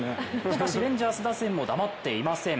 しかしレンジャーズ打線も黙っていません。